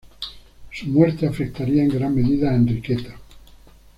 Su muerte afectaría en gran medida a Enriqueta.